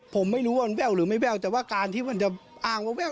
ผมไม่รู้ว่ามันแว่วหรือไม่แว่วแต่ว่าการที่มันจะอ้างแวว